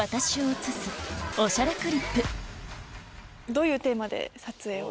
どういうテーマで撮影を？